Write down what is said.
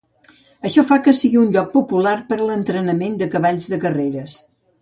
Això fa que sigui un lloc popular per a l'entrenament de cavalls de carreres.